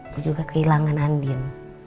gue juga kehilangan andin